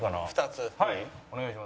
２つ。